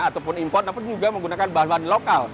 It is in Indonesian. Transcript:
ataupun import tapi juga menggunakan bahan bahan lokal